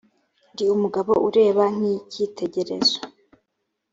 ndi umugabo ureba nkitegereza.